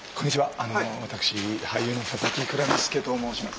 あの私俳優の佐々木蔵之介と申します。